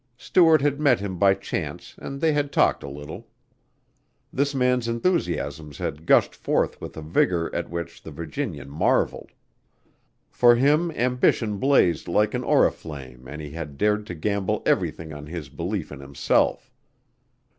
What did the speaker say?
Stuart had met him by chance and they had talked a little. This man's enthusiasms had gushed forth with a vigor at which the Virginian marveled. For him ambition blazed like an oriflamme and he had dared to gamble everything on his belief in himself.